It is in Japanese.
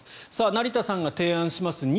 成田さんが提案します